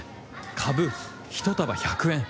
かぶ１束１００円。